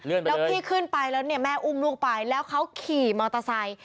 แล้วพี่ขึ้นไปแล้วเนี่ยแม่อุ้มลูกไปแล้วเขาขี่มอเตอร์ไซค์